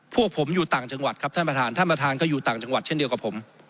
พวกผมอยู่ต่างจังหวัดครับท่านประธานท่านประธานก็อยู่ต่างจังหวัดเช่นเดียวกับผม